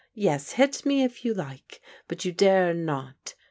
Yes, hit me if you like. But you dare not!